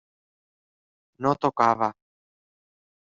No tocava.